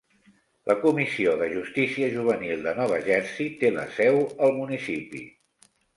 La Comissió de Justícia Juvenil de Nova Jersey té la seu al municipi.